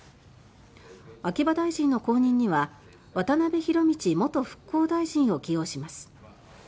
秋葉大臣の後任には渡辺博道元復興大臣を起用します。